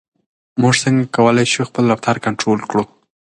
موږ څنګه کولای شو خپل رفتار کنټرول کړو؟